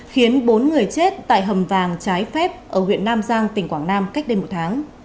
khiến bốn người chết tại hầm vàng trái phép ở huyện nam giang tỉnh quảng nam cách đây một tháng